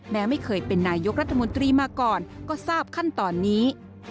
แม้ไม่เคยเป็นนายกรัฐมนตรีมาก่อนก็ทราบขั้นตอนนี้